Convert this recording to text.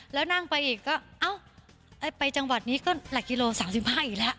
แล้วนั่งไปอีกก็เอ้าไปจังหวัดนี้ก็หลักกิโล๓๕อีกแล้ว